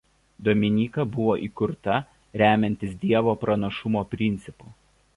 Dominika buvo įkurta remiantis Dievo pranašumo principu.